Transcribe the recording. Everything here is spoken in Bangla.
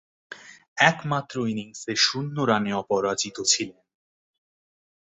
একমাত্র ইনিংসে শূন্য রানে অপরাজিত ছিলেন।